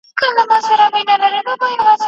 د څېړني لپاره د اطلاعاتو راټولول اړین دي.